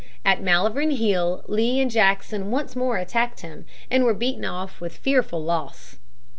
At Malvern Hill Lee and Jackson once more attacked him and were beaten off with fearful loss.